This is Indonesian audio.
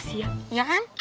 nanti aku bilangin pak kiai